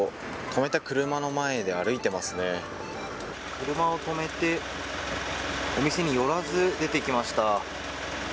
車を止めてお店に寄らず出てきました。